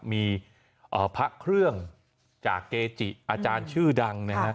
มีพระเครื่องจากเกจิอาจารย์ชื่อดังนะครับ